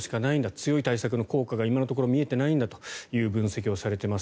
強い対策の効果が今のところ見えていないんだという分析をされています。